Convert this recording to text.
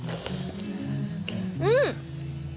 うん！